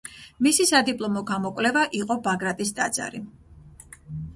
მისი სადიპლომო გამოკვლევა იყო ბაგრატის ტაძარი.